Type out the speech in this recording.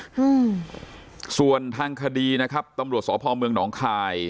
อืมส่วนทางคดีนะครับตำรวจสพเมืองหนองคาย